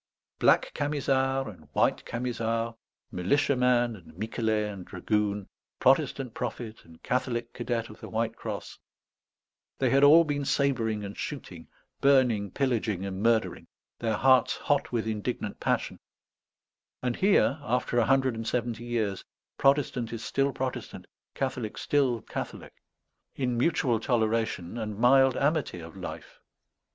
Black Camisard and White Camisard, militiaman and Miquelet and dragoon, Protestant prophet and Catholic cadet of the White Cross, they had all been sabring and shooting, burning, pillaging, and murdering, their hearts hot with indignant passion; and here, after a hundred and seventy years, Protestant is still Protestant, Catholic still Catholic, in mutual toleration and mild amity of life.